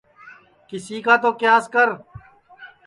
کِس کا تو کیاس کر